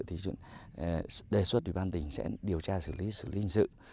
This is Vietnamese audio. thì đề xuất ủy ban tỉnh sẽ điều tra xử lý hình sự